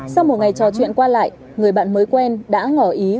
sau một ngày trò chuyện qua lại người bạn mới quen đã ngỏ ý